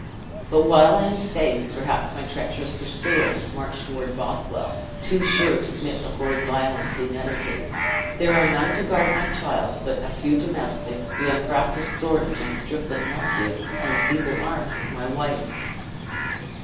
But, while I am safe, perhaps my treacherous pursuer has marched toward Bothwell, too sure to commit the horrid violence he meditates; there are none to guard my child but a few domestics, the unpracticed sword of my stripling nephew, and the feeble arms of my wife."